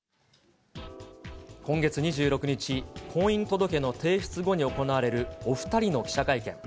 今月２６日、婚姻届の提出後に行われるお２人の記者会見。